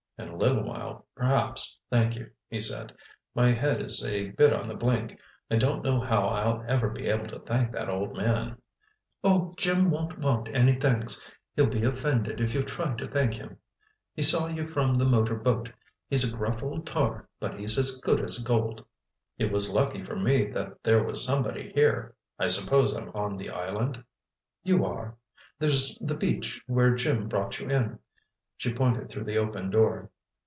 "In a little while, perhaps, thank you," he said. "My head is a bit on the blink. I don't know how I'll ever be able to thank that old man—" "Oh, Jim won't want any thanks. He'll be offended if you try to thank him. He saw you from the motor boat. He's a gruff old tar, but he's as good as gold." "It was lucky for me that there was somebody here—I suppose I'm on the island?" "You are. There's the beach where Jim brought you in." She pointed through the open door.